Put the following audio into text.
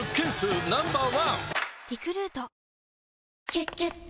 「キュキュット」